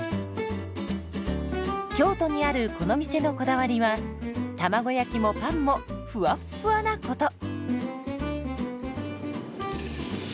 京都にあるこの店のこだわりは卵焼きもパンもふわっふわなこと。